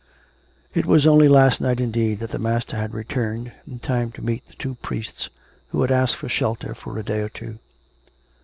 It was only last night, indeed, that the master had re turned, in time to meet the two priests who had asked for shelter for a day or two.